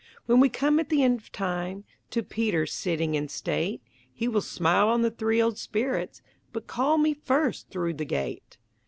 When we come at the end of time, To Peter sitting in state, He will smile on the three old spirits But call me first through the gate.